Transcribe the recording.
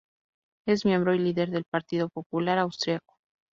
Es miembro y líder del Partido Popular Austríaco.